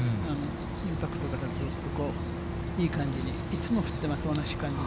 インパクトがずっと、いい感じにいつも振ってます、同じ感じに。